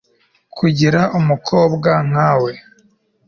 kugira umukobwa nkawe